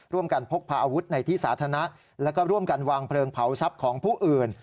พกพาอาวุธในที่สาธารณะแล้วก็ร่วมกันวางเพลิงเผาทรัพย์ของผู้อื่น